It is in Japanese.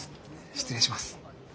失礼します。